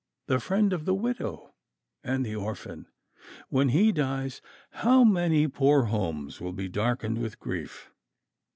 The friend of the widow and the orphan! When he dies, how many poor homes will be darkened with grief!"